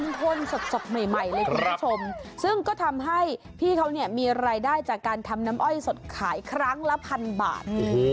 ทนสดใหม่เลยคุณผู้ชมซึ่งก็ทำให้พี่เขาเนี่ยมีรายได้จากการทำน้ำอ้อยสดขายครั้งละพันบาท